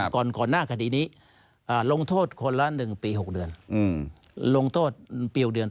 ก่อนหน้าคดีนี้ลงโทษคนละหนึ่งปี๖เดือนลงโทษปี๖เดือน